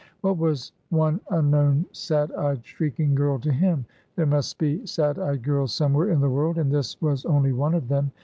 What was one unknown, sad eyed, shrieking girl to him? There must be sad eyed girls somewhere in the world, and this was only one of them.